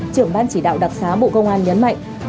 trưởng ban chỉ đạo đặc xá bộ công an nhấn mạnh